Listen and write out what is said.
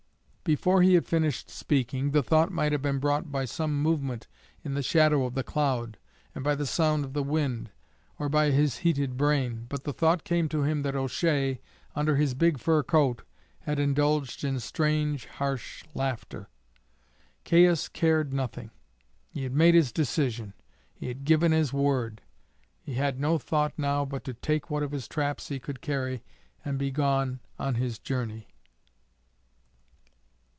Before he had finished speaking the thought might have been brought by some movement in the shadow of the cloud, and by the sound of the wind, or by his heated brain but the thought came to him that O'Shea, under his big fur coat, had indulged in strange, harsh laughter. Caius cared nothing. He had made his decision; he had given his word; he had no thought now but to take what of his traps he could carry and be gone on his journey.